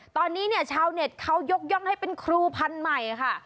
ตอนนี้เนี่ยชาวเน็ตเขายกย่องให้เป็นครูพันธุ์ใหม่ค่ะ